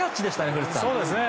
古田さん。